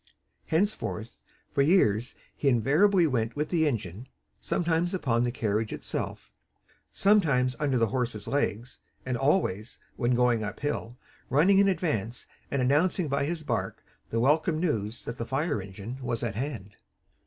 Henceforth for years he invariably went with the engine, sometimes upon the carriage itself, sometimes under the horses' legs; and always, when going uphill, running in advance, and announcing by his bark the welcome news that the fire engine was at hand.